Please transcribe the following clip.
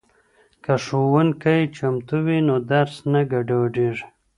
که ښوونکی چمتو وي، درس نه ګډوډېږي.